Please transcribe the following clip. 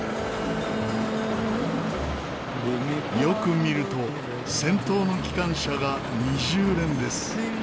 よく見ると先頭の機関車が二重連です。